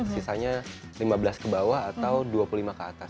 sisanya lima belas ke bawah atau dua puluh lima ke atas